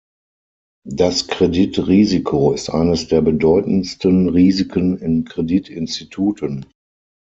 Das Kreditrisiko ist eines der bedeutendsten Risiken in Kreditinstituten.